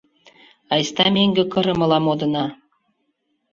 — Айста меҥге кырымыла модына.